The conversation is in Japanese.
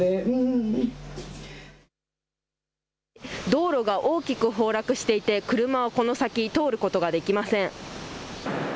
道路が大きく崩落していて車はこの先通ることができません。